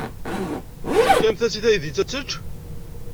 Tefkamt-as i teydit ad tečč?